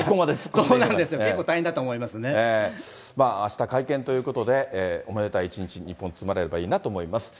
そうなんですよ、結構大変だあした会見ということで、おめでたい一日に、日本、包まれればいいなと思いますね。